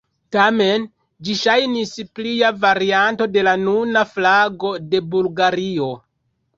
Tamen, ĝi ŝajnis plia varianto de la nuna flago de Bulgario.